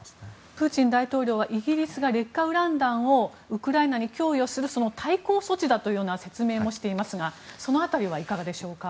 プーチン大統領はイギリスが劣化ウラン弾をウクライナに供与する対抗措置だという説明もしていますがその辺りはいかがでしょうか。